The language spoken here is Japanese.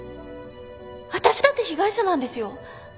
わたしだって被害者なんですよ。